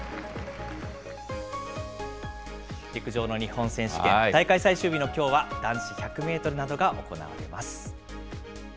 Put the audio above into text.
陸上の日本選手権、大会最終日のきょうは、男子１００メートルなどが行われます。